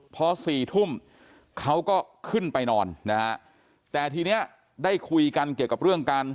พอสี่ทุ่มเขาก็ขึ้นไปนอนนะฮะแต่ทีนี้ได้คุยกันเกี่ยวกับเรื่องการ